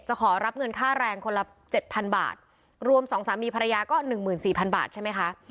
ขอรับเงินค่าแรงคนละเจ็ดพันบาทรวมสองสามีภรรยาก็๑๔๐๐บาทใช่ไหมคะ